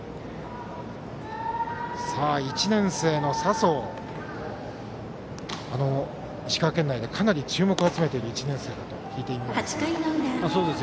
１年生の佐宗、石川県内でかなり注目を集めている１年生だと聞いています。